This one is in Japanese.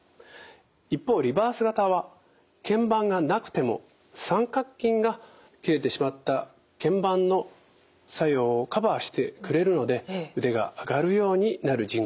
一方リバース型はけん板がなくても三角筋が切れてしまったけん板の作用をカバーしてくれるので腕が上がるようになる人工関節なんですね。